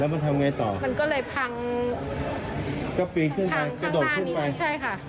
มันทำไงต่อมันก็เลยพังก็ปีนขึ้นไปกระโดดขึ้นไปใช่ค่ะ